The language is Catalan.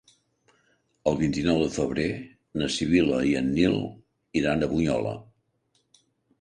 El vint-i-nou de febrer na Sibil·la i en Nil iran a Bunyola.